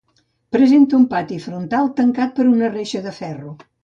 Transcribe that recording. Presenta un pati frontal tancat per una reixa de ferro.